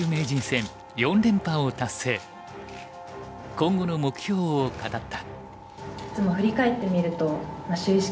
今後の目標を語った。